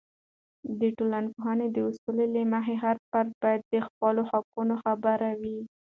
د ټولنپوهنې د اصولو له مخې، هر فرد باید د خپلو حقونو خبر وي.